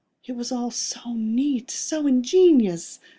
It all was so neat, so ingenious.